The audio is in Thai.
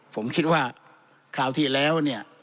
ผมคิดว่าคราวที่แล้ว